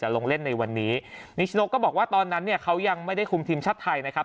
ลงเล่นในวันนี้นิชโนก็บอกว่าตอนนั้นเนี่ยเขายังไม่ได้คุมทีมชาติไทยนะครับ